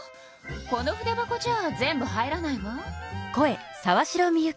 この筆箱じゃあ全部入らないわ。